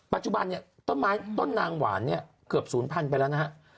ปัจจุบันเนี่ยต้นไม้ต้นนางหวานเนี่ยเกือบศูนย์พันไปแล้วนะฮะ